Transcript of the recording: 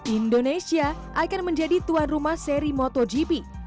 indonesia akan menjadi tuan rumah seri motogp